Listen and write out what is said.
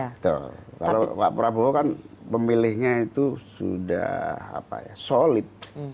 betul kalau pak prabowo kan pemilihnya itu sudah solid